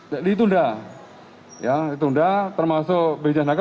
hai jadi itu udah ya itu udah termasuk benjanaika